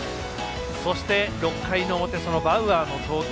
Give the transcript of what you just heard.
そして６回の表、バウアーの投球。